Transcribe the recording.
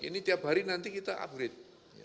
ini tiap hari nanti kita upgrade